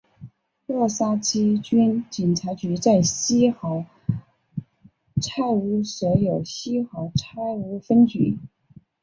洛杉矶郡警察局在西好莱坞设有西好莱坞分局。